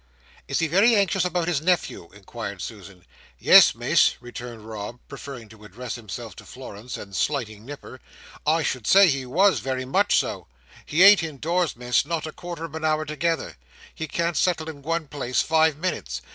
"Is he very anxious about his nephew?" inquired Susan. "Yes, Miss," returned Rob, preferring to address himself to Florence and slighting Nipper; "I should say he was, very much so. He ain't indoors, Miss, not a quarter of an hour together. He can't settle in one place five minutes.